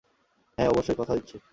হ্যাঁ, অবশ্যই, কথা দিচ্ছি।